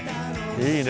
いいね